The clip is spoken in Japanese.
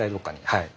はい。